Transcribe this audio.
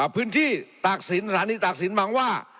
พื้นที่ตากสินฐานีตากสินมังว่า